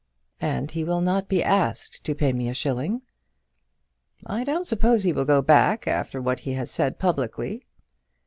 "And he will not be asked to pay me a shilling." "I don't suppose he will go back after what he has said publicly."